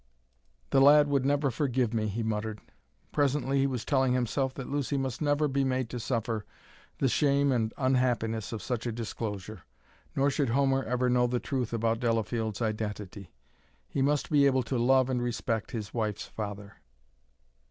"The lad would never forgive me," he muttered. Presently he was telling himself that Lucy must never be made to suffer the shame and unhappiness of such a disclosure. Nor should Homer ever know the truth about Delafield's identity. He must be able to love and respect his wife's father.